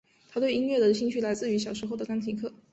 她对音乐的兴趣来自小时候的钢琴课。